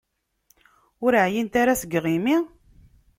Ur εyint ara seg yiɣimi?